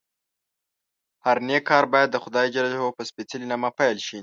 هر نېک کار باید دخدای په سپېڅلي نامه پیل شي.